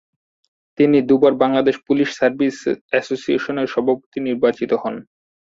তিনি দু’বার Bangladesh police service অ্যাসোসিয়েশনের সভাপতি নির্বাচিত হন।